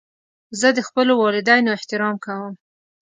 زه د خپلو والدینو احترام کوم.